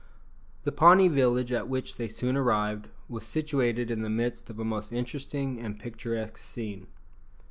_ The Pawnee village, at which they soon arrived, was situated in the midst of a most interesting and picturesque scene.